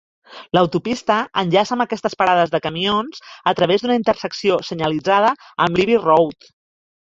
L'autopista enllaça amb aquestes parades de camions a través d'una intersecció senyalitzada amb Libbey Road.